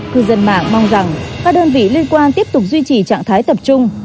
cư dân mạng mong rằng các đơn vị liên quan tiếp tục duy trì trạng thái tập trung